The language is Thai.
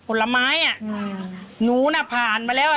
ผลไม้นู้น่ะผ่านไปแล้วค่ะ